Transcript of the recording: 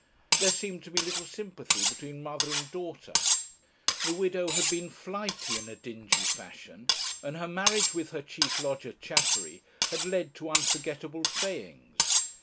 There seemed to be little sympathy between mother and daughter; the widow had been flighty in a dingy fashion, and her marriage with her chief lodger Chaffery had led to unforgettable sayings.